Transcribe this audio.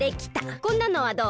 こんなのはどう？